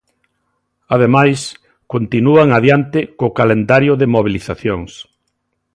Ademais, continúan adiante co calendario de mobilizacións.